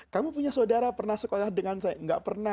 kamu punya saudara pernah sekolah dengan saya